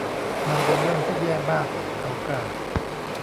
มันเป็นเรื่องที่แย่มาก เขากล่าว